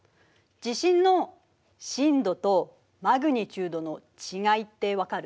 地震の震度とマグニチュードの違いって分かる？